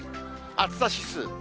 暑さ指数。